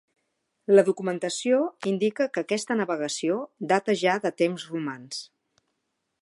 La documentació indica que aquesta navegació data ja de temps romans.